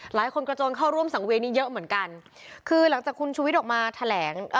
หลายคนกระโจนเข้าร่วมสังเวียนนี้เยอะเหมือนกันคือหลังจากคุณชูวิทย์ออกมาแถลง